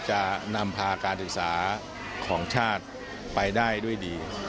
จะนำพาการศึกษาของชาติไปได้ด้วยดี